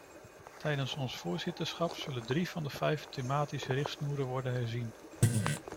Tijdens ons voorzitterschap zullen drie van de vijf thematische richtsnoeren worden herzien.